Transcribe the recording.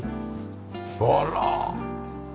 あら。